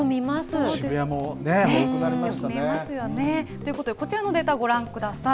渋谷もね、多くなりましたね。ということでこちらのデータ、ご覧ください。